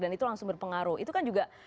dan itu langsung berpengaruh itu kan juga